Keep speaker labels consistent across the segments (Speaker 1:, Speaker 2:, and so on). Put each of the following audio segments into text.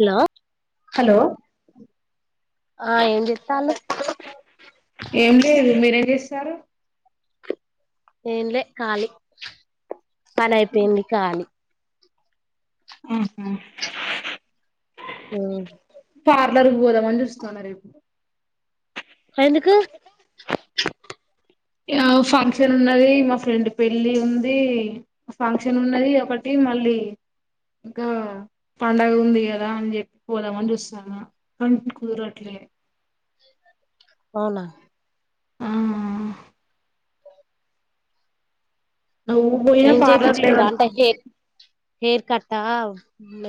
Speaker 1: Hello
Speaker 2: hello
Speaker 1: ఆ ఏం చెత్తాలు
Speaker 2: ఏం లేదు మీరేం చే సారు
Speaker 1: ఏం లే కాళీ పన అయిపోయింది కాాలి
Speaker 2: ఆహా
Speaker 1: ఉ
Speaker 2: పార్లర్ గోదామని చూస్తుాన్న రేపుడు
Speaker 1: ఎందుకు
Speaker 2: ఆ ఫంక్షన్ ఉన్నది మా ఫ్రెండ్ పెళ్ళి ఉంది ఫంక్షన్ ఉన్నది కాబట్టి మళ్ళీ ఇంకా పండగ ఉంది కదా అని చెప్పి పోదామని చూస్తాను కంటి కూరు అట్లే
Speaker 1: అవునా
Speaker 2: ఆ ఊ పోయినా
Speaker 1: ఏం
Speaker 2: పార్లర్లో
Speaker 1: హేర్ కట్టా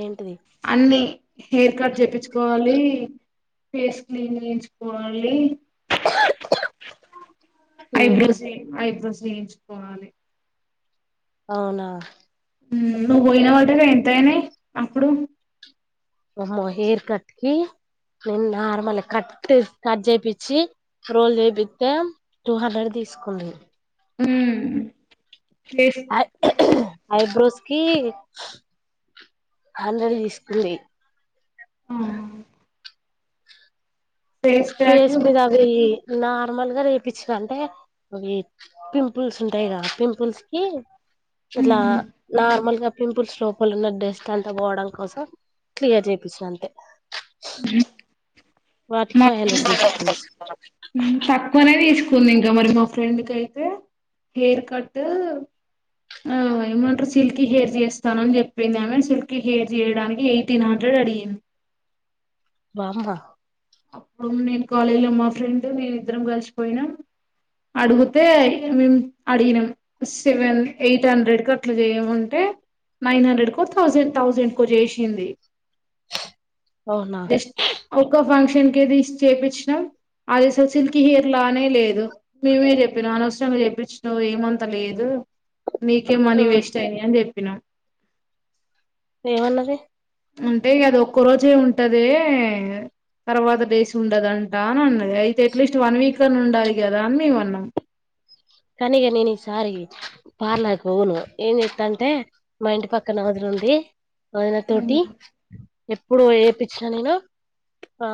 Speaker 1: ఏంటిది
Speaker 2: అన్నిీ హెయిర్ కట్ చేప్పించుకోవాలి ఫేస్ క్లీన్ చేయించుకోవాలి
Speaker 1: ఉమ్
Speaker 2: ఐబ్రోస్ ఐబ్రోస్ చేయించుకోవాలి
Speaker 1: అవునా
Speaker 2: నువ్వు పోయిన వాటకి ఎంతయినాయి అప్పుడు
Speaker 1: వామ్మో హెయిర్ కట్ కి నేను నార్మల్ కట్ కట్ చేయిచ్చి రోల్ చేపిస్తే టూ హండ్రెడ్ తీసుకోండి
Speaker 2: హ
Speaker 1: ఐబ్రోస్ కి ఆల్రెడీ తీసుకుంది
Speaker 2: ఆ
Speaker 1: ఫేస్ మీద అవి నార్మల్గా రేపచ్చిన అంటే అవి పింపుల్స్ ఉంటాయి కదా పింపుల్స్ కి అట్లా
Speaker 2: ఉమ్
Speaker 1: నా ముల్గా పింపుల్స్ లోపల ఉన్న డెస్ట్ అంతా పోవడం కోసం క్లియర్ చేయిించిన అంతే వాటికి
Speaker 2: మా
Speaker 1: ఫైవ్ హండ్రెడ్ తీసుకుడి
Speaker 2: కొనే తీసుకుంది ఇంకా మరి మా ఫ్రెండ్ క అయితే హెయిర్ కట్ ఆ ఏమంటారు సిల్కీ హెయిర్ చేస్తాను అని చెప్పింది ఆమె సిల్కీ హెయిర్ చేయడానికి ఎయిటీన్ హండ్రెడ్ అడిగింది
Speaker 1: బమ్బ
Speaker 2: అప్పుడు నేను కాలేజ్ లో మా ఫ్రెండ్ నేను ఇద్దరం కలిసిపోయినాం అడిగితే మేము అడిగినం సెవెన్ ఎయిట్ హండ్రెడ్ కు అట్లా చేయమంటే నైన్ హండ్రెడ్ కు ౌసండ్ థౌజండ్ కో చేసింది
Speaker 1: అవునా
Speaker 2: అకా వంశ టెంకీది చేయిించినాం అదిస సిల్కి హెయిర్ లానే లేదు మేమే చెప్పినం అనవసరంగా చెప్పించా ఏమంత లేదు నీకేం మనీ వేస్ట్ అయినా అని చెప్పినాను
Speaker 1: ఏమన్నది
Speaker 2: ఉంటే కదా ఒక్క రోజే ఉంటద తర్వాత డేస్ ఉండదంటా అని అన్నది అయితే అట్లీస్ట్ వన్ వీక్ అని ఉండాలి కదా అని మేము అన్నాం
Speaker 1: కానిక నేను ఈసారి పార్లాకి వును ఏం చెస్తా అంటే మా ఇంటి పక్కన వదులుంది వదినతోటి ఎప్పుడు వపచ్చినా నేను ఆ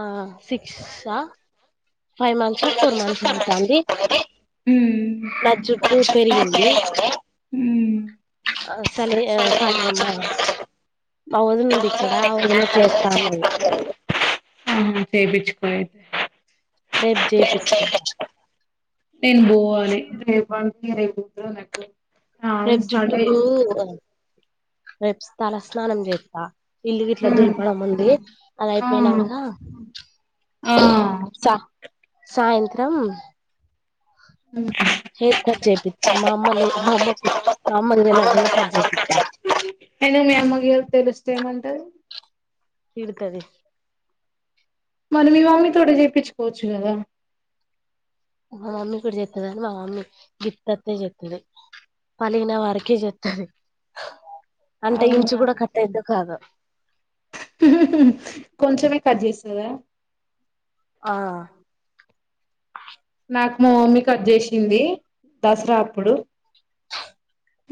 Speaker 1: six five months four months అనేతుంది నా జుట్టు పెరిగింది సల సలమా వజన్ ఉంది ఇక్కడ ఆ వదిన చేస్తానుది
Speaker 2: తె బిచ్కుతే
Speaker 1: రేపు చేయిించుకుంటాను
Speaker 2: నన్ బో పోవాలి ర కూతు నాకు ఆ
Speaker 1: రేబ్
Speaker 2: సండే
Speaker 1: జుట్టుకూ రేపు తల స్నానం చేస్తా ఇల్లు ఇట్లా
Speaker 2: హ్మ్.
Speaker 1: దులిపడం ఉంది అలా
Speaker 2: ఆ!
Speaker 1: అయిపోయినాక
Speaker 2: ఆ!
Speaker 1: సాయంత్రం
Speaker 2: హ్మ్.
Speaker 1: హెర్ కఖర్జయితి మా అమ్మలే మా అమ్మకు మా అమలుిన అగణ కర్ అయితిత్త
Speaker 2: అ
Speaker 1: తిడుతుంది
Speaker 2: మరి మి మమ్మీ తోడే జేయిపిచ్చుకోవచ్చు కదా
Speaker 1: మా మమ్మీ కూడా చెతుద అంని మా మమ్మీ గిత్తతే చెతుది పలిగన వరకే చెతుది అంటే ఇంచు
Speaker 2: అవునా?
Speaker 1: కూడా కట్టద్దు కాదు
Speaker 2: కొంచమే కట్ చేసింధీ కదా
Speaker 1: ఆ
Speaker 2: నాకు మా మమ్మీ కట్ చేసింది దసరా అప్పుడు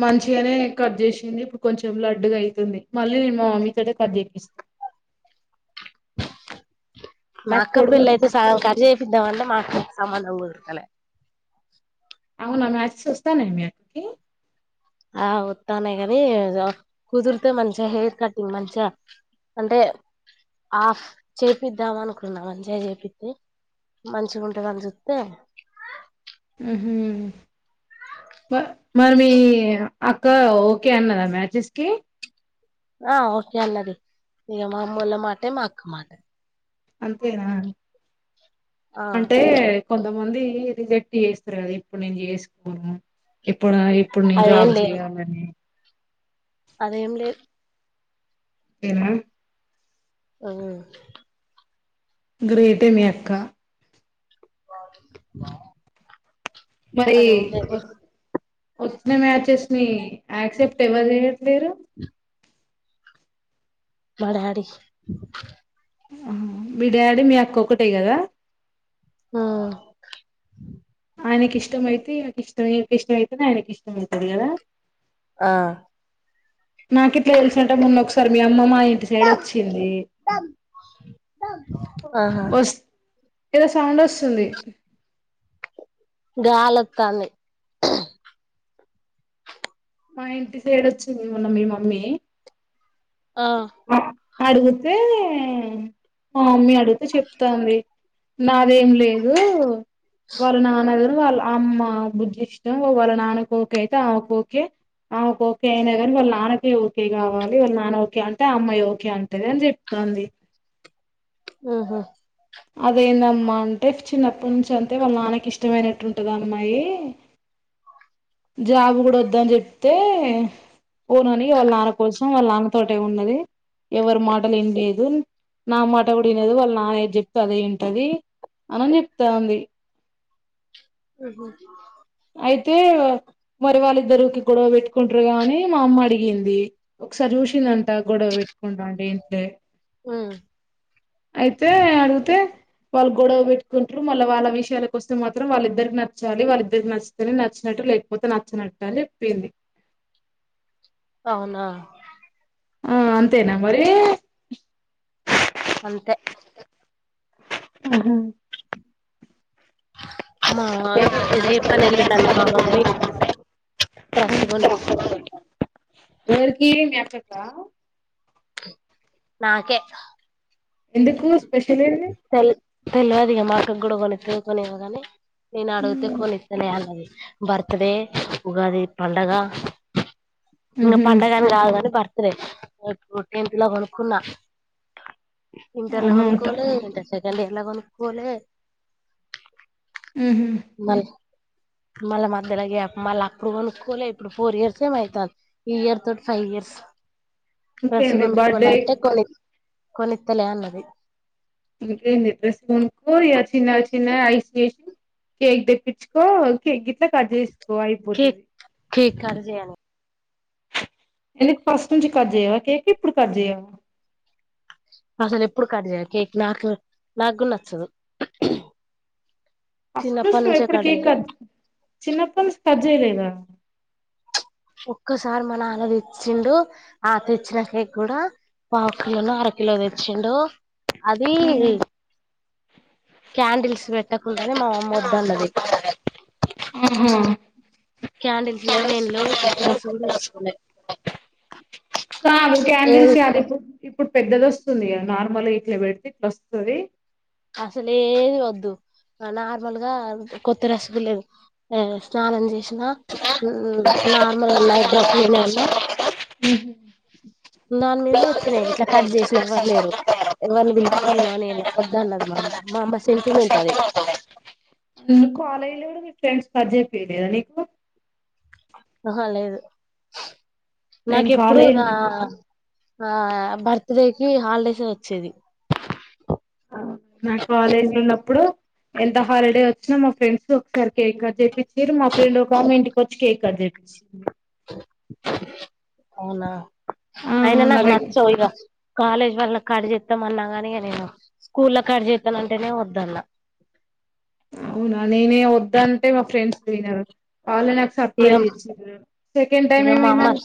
Speaker 2: మంచిగానే కట్ చేసింది ఇప్పుడు కొంచెం లడ్డుగా అయితుంది మళ్ళీ నేను మా మమ్మీతోటె కట్ చేపిస్తా
Speaker 1: మా
Speaker 2: నాకు
Speaker 1: అక్క పెళ్ల
Speaker 2: పొడుగు
Speaker 1: అయితే ఖర్చు చేయిద్దాంమంటే మా అక్క సంబ అవుకాల
Speaker 2: అవునా మ్యాచెస్ వస్తున్నాయా మీ అక్కకి
Speaker 1: ఆ వస్తానే కాని కుదిరితే మంచిగా హెయిర్ కటింగ్ మంచిగా అంటే ఆఫ్ చేపిద్దాం అనుకున్నా మంచిగా చేపిస్తే మంచిగా ఉంటుందని అని చూస్తే
Speaker 2: ఆ ఆ మరి మీ అక్క ఓకే అన్నరా మ్యాచెస్ కి
Speaker 1: ఆ ఓకే అన్నది ఈగ మామ్మూల మాట మా అక్క మాట
Speaker 2: అంతేనా
Speaker 1: ఆ
Speaker 2: అంటే కొంత ఉంది రిజెట్ చేస్తారు కదా ఇప్పుడు నేను చేసుపోనా ఇప్పుడు ఇప్పుడు నే జాబ్ చెయాలని
Speaker 1: అదేడి
Speaker 2: ఏనా
Speaker 1: ఆ
Speaker 2: గ్రేటే మీ అక్క
Speaker 1: అ
Speaker 2: మరి ఓ వచ్చిన మ్యాచెస్ ని యాక్సెప్ట్ ఎవరు చేయట్లేరు
Speaker 1: మడడి
Speaker 2: మీ డాడీ మీ అక్క ఒకక్కటే కదా
Speaker 1: ఆ
Speaker 2: ఆయనకి ఇష్టమయితే నాకు ఇష్టం ఇకి ఇష్టం అవుతు నా ఆయనకి ఇష్టంమవుతుది కదా
Speaker 1: ఆ
Speaker 2: నాకు ఇట్లా తెలిసినట్టే ముొన్న ఒకసారి మ అమ్మ మా ఇంటి సైడ్ వచ్చింది వస్ ఏదో సౌండ్ వస్తుంది
Speaker 1: గాలోతంది
Speaker 2: మా ఇంటి సైడ్ వచ్చింది మన్న మీ మమ్మీ
Speaker 1: ఆ
Speaker 2: అడుగుతే, మా మమ్మీ అడుతే చెప్తాంది‌‌. నాదేం లేదు. వాల నాన్నెవర్ వాళ్ళ అమ్మ బుద్ధిష్టం, వాళ్ళ నాన్న ఓకేయితే ఆ కోకే, ఆవ్ కోకే అయినా కాని వాళ్ళ నాన్నకి ఒ కే కావాలి వాళ్ళ నాన కాన్ తె అమ్మాయ్ ఓకే అంటది అని చెప్తాంది.
Speaker 1: ఉహు
Speaker 2: అదేందమ్మా అంటే చిన్నప్పనుంచి అంతే వాళ్ళ నాన్నకి ఇష్టవైనట్టు ఉంటది. అమ్మాయి జాబ్ కూడా వద్దాని చెప్తే పోనని వాళ్ల నాన్న కోసం వాళ్ల నా తోటే ఉన్నది, ఎవరి మాటలు ఇన్లేదు, నా మాట కూడా ఇనదు. వాళ్ళ నాన ఏద్ చెప్తే అదే ఇంటది అనని చెప్తాంది.
Speaker 1: ఉహు
Speaker 2: అయితే మరి వాళ్ళిద్దరుకి గొడవ పెట్టుకుంట్రుగా అని మా అమ్మ అడిగింది. ఒకసారి చూసిందన్. గొడవ పెట్టుకుంటాంటె ఇంతే,
Speaker 1: మ్మ్
Speaker 2: అయితే అడిగితే వాళ్ళ గొడవ పెట్టుకుంట్రు మళ్ళ వాల విషయాలకు వస్తు మాత్రం వాళ్ళిద్దరికి నచ్చాలి వాళ్ళద్ ద్దరికి నచ్చితేనే నచ్చినట్టు లేకపోతే నచ్చనట్టు అని చెప్పింది.
Speaker 1: అవునా
Speaker 2: ఆ అంతేనా మరి
Speaker 1: అంతే
Speaker 2: ఆహు
Speaker 1: మా ఏదే పని ఎల్లిండన్న మా మమ్మీ, డ్రెస్ కొనిత
Speaker 2: ఎవరికి మీ అక్కకా
Speaker 1: నాకే
Speaker 2: ఎందుకు స్పెషల్ ఏంది
Speaker 1: తెల్ తెల్వదిక మా కుడ కొనిత్తదో కొనేవోగానీ నేను అడుగుతే కోనిత్తానే అన్నది. బర్తడే, ఉగాది పండగ ఇంగ
Speaker 2: ఉహు
Speaker 1: పండగన్ కాదు కాని బ రె టెన్త్ లో కొనుకున్నా ఇంటర్ లొ
Speaker 2: ఆహా
Speaker 1: కొనుక్కోలే ఇంటర్ సె డియర్ లో కొనుక్కోలే
Speaker 2: ఉహు
Speaker 1: మళ్ళా మధ్యలో గాప్ మళ్ళా అప్పుడు కొనుక్కోలే ఇప్పుడు ఫోర్ ఇయర్స్ మో అయితా, ఈ ఇయర్ తోటి ఫైవ్ ఇయర్స్ డ్రెస్సు
Speaker 2: ఇంకేంది బర్త్డే
Speaker 1: కొనుక్కోవాలంటే కొని కొని ఇత్తలేనది
Speaker 2: ఇంకే నిద్రస్ కొనుకో ఇక చిన్న చిన్న ఐసి వేసి కేక్ తెప్పించుకో కేక్ గిట్లా కట్ చేసుకో
Speaker 1: కేక్
Speaker 2: అయిపోతది
Speaker 1: కేక్ కట్ జేయని
Speaker 2: ఎందుకు ఫస్ట్ నుంచి కట్ జేవా కేక్ ఇప్పుడు కట్ జేయవా
Speaker 1: అసలు ఎప్పుడు కట్ చేయి కేక్ నాకు నాకు నచ్చదు చిన్నప్పటి
Speaker 2: అదృష్టం
Speaker 1: నుంచే
Speaker 2: ఎప్పుడు
Speaker 1: కట్ చేయ
Speaker 2: కేకదు చిన్నప్పస్స్ తేలేద
Speaker 1: ఒక్కసారి మ నాన్న తెచ్చిండు ఆ తెచ్చినా కేక్ కూడా పావు కిలోను అరకిలో తెచ్చిండు అది క్యాండిల్స్ పెట్టకుండానే మా అమ్మ వద్దు అన్నది
Speaker 2: ఆహా
Speaker 1: కాండిలేవు ల్స్ లే వ్ కుతుర సూడిలే ఇట్ల ఉన్నాయి
Speaker 2: కాదు క్యాండిల్స్ యాడ ఇప్ ఇప్పుడు పెద్దది వస్తుంది నార్మల్ ఇట్లా పెడితే ఇట్లా వస్తది
Speaker 1: అసలే వద్దు నార్మల్ గా కొత్త రసపు లేదు ఆ స్నానం చేసి అన్న నార్మల్ నైట్ డ్రెస్ ఉన్నాయి అన్న
Speaker 2: ఉహు
Speaker 1: నన్ నే ఇట్లా ఖర్చ చేసిన ఎవ్వరు లేరు. ఎవరిని పీల్ పీలే నేను వద్ద అన్నది. మా అమ్మ మా అమ్మ సెంటిమెంట్ అది.
Speaker 2: ఉ కాలేజీ లో కూడా మీ ఫ్రెండ్స్ కట్ జేపీయలేదా నీకు
Speaker 1: అహా లేదు
Speaker 2: నేను
Speaker 1: నాకెప్పుడు
Speaker 2: కాలేజ్
Speaker 1: రా ఆ బర్త్డేకి హాలిడేస్ కి వచ్చేది
Speaker 2: నా కాలేజీ లో ఉన్నప్పుడు ఎంత హాలిడే వచ్చినా మా ఫ్రెండ్స్ ఒక్కరు కేక్ చేపిచ్ నేను మా ఫ్రెండ్ ఒక కామెంట్ వచ్చి కేక్ కట్ జేపి
Speaker 1: అవునా
Speaker 2: ఆ
Speaker 1: అయినా
Speaker 2: నా
Speaker 1: నాకు
Speaker 2: దగ్
Speaker 1: నచ్చవు ఇక కాలేజ్ వళ్ల కడి చెస్తాం అన్నా కాని నేను స్కూల్ కడి చెస్తాను అంటేనే వద్దు అన్న
Speaker 2: అవునా నేనే వద్దంటే మా ఫ్రెండ్స్ తినరు వాళ్ళ నాకు
Speaker 1: ఇగ
Speaker 2: సర్ప్రైజ్ ఇచ్చిరు సెకండ్
Speaker 1: ఇగ
Speaker 2: టైమ్
Speaker 1: మా అమ్మ
Speaker 2: ఏమైందన్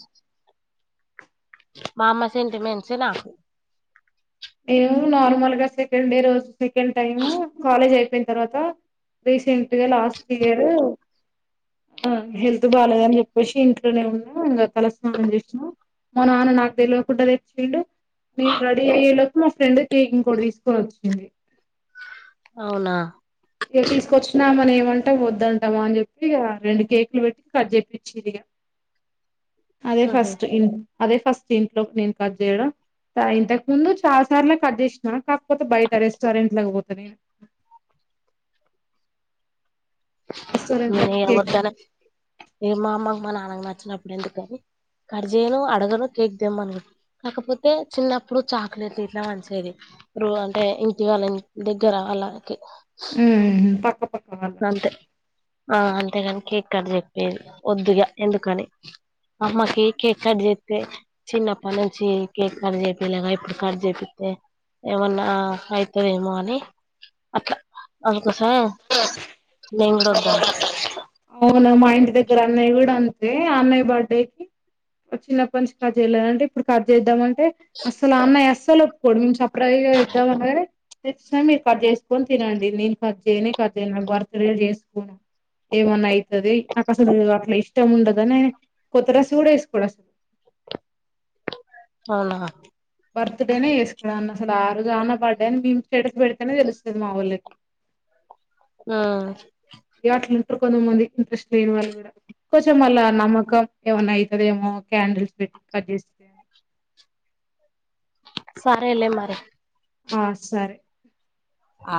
Speaker 1: మామ్మా సెంటిమెంట్స్ నా
Speaker 2: నేను నార్మల్ గా సెకండ్ డే రోజు సెకండ్ టైమ్ కాలేజ్ అయిపోయింది తర్వాత రీసెంట్ గా లాస్ట్ ఇయర్ ఆ హెల్త్ బాగాలేద అని చెప్పేసి, ఇంట్లోనే ఉన్నా. ఇంకా తలస్నానం చేసిన. మా నాన్న నాకు తెలియవకుండా తెచ్చిపెట్టి. నేన్ రెడి అయ్యేలోపు మా ఫ్రెండ్ కి ఇంకోటి తీసుకొని వచ్చింది
Speaker 1: అవునా
Speaker 2: ఇ తీసుకొచ్చిన మనం మంటా వద్దంటామా అని చెప్పి రెండు కేక్లు పెట్టి కట్ చేప్పచ్చిదిక అదే
Speaker 1: ఉహు
Speaker 2: ఫస్ట్ ఇన్ అదే ఫస్ట్ ఇంట్లోకి నేను కట్ చేయడం ఇంతకు ముందు చాలా సార్లు కట్ చేసినాను కాకపోతే బయట రెస్టారెంట్ పోత నేను రెస్టారెంట్లకు
Speaker 1: నేను
Speaker 2: కేక్
Speaker 1: వద్దు అని ఏ మామ మన నచ్చనప్పుడు ఎందుకుకని కట్ చేయను అడగను కేక్ తమ్మ అను కాకపోతే చిన్నప్పుడు చాక్లెట్ ఇట్లా మంచిేది ఇ అంటే ఇంటి వాళ్ళ దగ్గర అళ
Speaker 2: హ్మ్ హు పక్క పక్క వాళ్ళకి
Speaker 1: అంతే ఆ అంతేగాని కేక్ కట్ చె వద్దు ఇగా ఎందుకని మ అమ్మకి కేక్ కట్ చేస్తే చిన్నప్పటి నుంచి కేక్ కట్ చేపియ్యలేదు ఇప్పుడు కట్ చేపిస్తే ఏమన్నా అయితదేమో అని అట్లా అందుకోసమే నేను కూడా వద్దంట
Speaker 2: [unintelligible] అవున మా ఇంటి దగ్గర అన్నయ్య కూడా అం అదే ఆ అన్నయ్య బర్త్డే కి చిన్నప్పటి నుంచి కార్చే చేయలేనంటే ఇప్పుడు కార్చే చేద్దామంటే అసలు ఆహ్ అన్నయ్య అస్సలు ఒప్పుకోడు ట్రై చేదాం అనగా నే మీరు కట్ చేసు కోని తినండి నేను కట్ చేయనే కట్ చేయ నా భర్త్ డై ఏమన్నా అయితది నాకు అసలు అట్లా ఇష్టం ఉండదని కొత్త డ్రెస్ కూడా వేసుకోడు అసలు
Speaker 1: అవునా
Speaker 2: బర్త్డేనే చేస్కోడు ఆఅన్న అసలు ఆ రోజు ఆ అన్న బర్త్డే అని మేము స్టేటస్ పెడితేనే తెలుస్తుంది మా వాళ్ళకి
Speaker 1: హ్మ్
Speaker 2: ఇ కొంతమంది ఇంట్రెస్ట్ లేని వాళ్ళు కూడా కొంచెం మళ్ళ నమ్మకం ఏమన్నా అయి అదేమో క్యాడిల్స్ పెట్టి కట్ చేస్
Speaker 1: సారే లే మరి
Speaker 2: ఆ సరే
Speaker 1: ఆ